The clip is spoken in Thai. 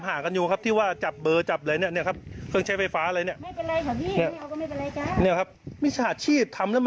ไม่ใช่ค่ะพี่